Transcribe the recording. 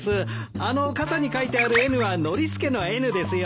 あの傘に書いてある「Ｎ」はノリスケの「Ｎ」ですよ。